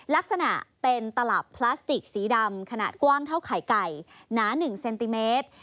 ลักษณะเป็นตลับพลาสติกสีดำขนาดกว้างเท่าไข่ไก่หนา๑เซนติเมตร